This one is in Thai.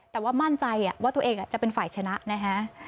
แต่ว่ามั่นใจว่าตัวเองจะเป็นฝ่ายชนะนะฮะ